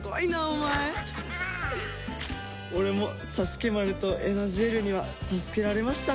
俺もサスケマルとエナジールには助けられました。